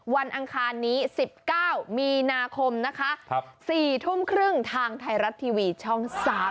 อังคารนี้๑๙มีนาคมนะคะ๔ทุ่มครึ่งทางไทยรัฐทีวีช่อง๓๒